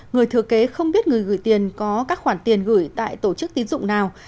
người thừa kế không biết người gửi tiền có các khoản tiền gửi tại tổ chức tín dụng nào